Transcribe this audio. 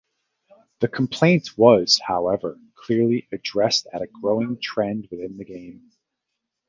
The complaint was, however, clearly addressed at a growing trend within the game.